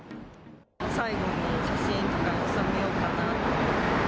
最後に写真とかに収めようかなと思って。